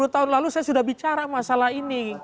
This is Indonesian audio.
dua puluh tahun lalu saya sudah bicara masalah ini